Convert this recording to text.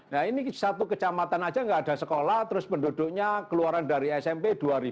nah ini satu kecamatan aja nggak ada sekolah terus penduduknya keluaran dari smp dua ribu